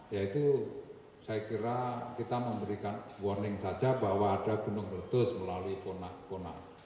ya itu saya kira kita memberikan warning saja bahwa ada gunung letus melalui kona kona